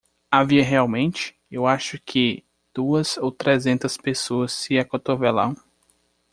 Havia realmente? Eu acho que? duas ou trezentas pessoas se acotovelam.